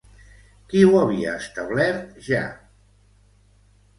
Qui ho havia establert ja?